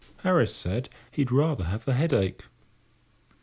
Harris said he would rather have the headache.